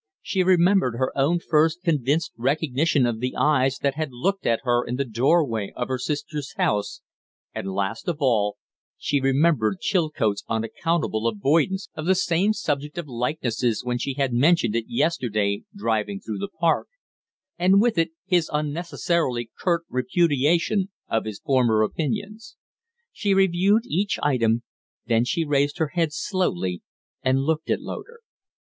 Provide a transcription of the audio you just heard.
She remembered her own first convinced recognition of the eyes that had looked at her in the doorway of her sister's house; and, last of all, she remembered Chilcote's unaccountable avoidance of the same subject of likenesses when she had mentioned it yesterday driving through the Park and with it his unnecessarily curt repudiation of his former opinions. She reviewed each item, then she raised her head slowly and looked at Loder.